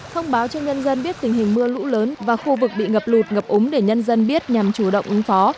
thông báo cho nhân dân biết tình hình mưa lũ lớn và khu vực bị ngập lụt ngập úng để nhân dân biết nhằm chủ động ứng phó